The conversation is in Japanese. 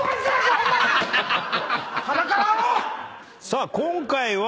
さあ今回は。